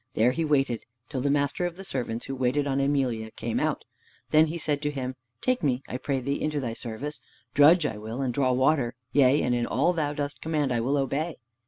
There he waited till the master of the servants who waited on Emelia came out. Then he said to him, "Take me, I pray thee, into thy service. Drudge I will and draw water, yea, and in all thou dost command I will obey."